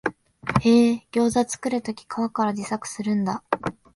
へえ、ギョウザ作るとき皮から自作するんだ